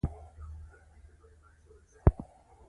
ملي سرکونه په همواره ساحه کې شپیته متره حریم لري